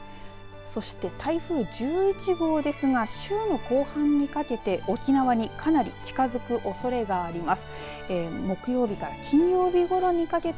そして台風１１号ですが週の後半にかけて沖縄にかなり近づくおそれがあります。